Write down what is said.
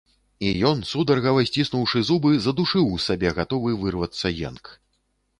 І ён, сударгава сціснуўшы зубы, задушыў у сабе гатовы вырвацца енк.